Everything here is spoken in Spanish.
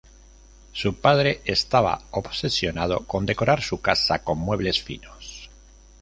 Su padre estaba obsesionado con decorar su casa con muebles finos.